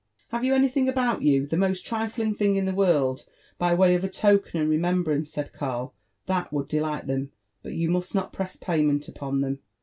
Have you anything about you, the most trifling thing in the worM, by way of token and remembrance/' said Karl» *'that would delight them?— but you must not press payment upon them.'